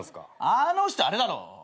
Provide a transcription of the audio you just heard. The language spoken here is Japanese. あの人あれだろ。